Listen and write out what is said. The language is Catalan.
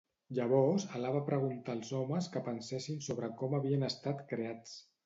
Llavors Alá va preguntar als homes que pensessin sobre com havien estat creats.